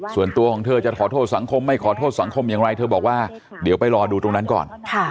ส่วนตัวของเธอจะขอโทษสังคมไม่ขอโทษสังคมอย่างไรเธอบอกว่าเดี๋ยวไปรอดูตรงนั้นก่อน